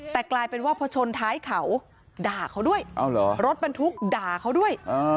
แต่กลายเป็นว่าพอชนท้ายเขาด่าเขาด้วยรถบรรทุกด่าเขาด้วย